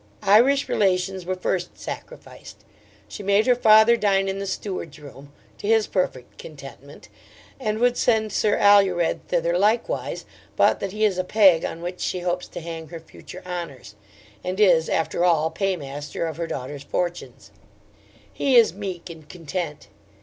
Irish relations were first sacrificed; she made her father dine in the steward's room, to his perfect contentment: and would send Sir Alured thither like wise but that he is a peg on which she hopes to hang her future honours; and is, after all, paymaster of her daughter's fortunes. He is meek and content.